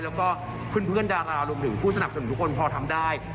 แล้วก็เพื่อนดารารวมถึงผู้สนับสนุนทุกคนพอทำได้